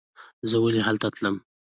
زه ولې هلته تلم.